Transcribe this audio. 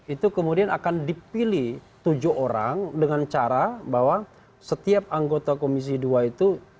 itu kemudian akan dipilih tujuh orang dengan cara bahwa setiap anggota komisi dua itu